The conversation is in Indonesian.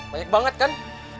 banyak banget kan